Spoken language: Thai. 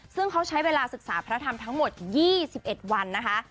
ซึ่งเขาใช้เวลาศึกษาพระธรรมทั้งหมด๒๑วันนะคะ